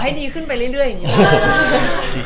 ดีขึ้นไปเรื่อยอย่างนี้